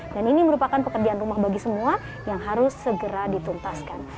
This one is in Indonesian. dan ini merupakan pekerjaan rumah bagi semua yang harus segera dituntaskan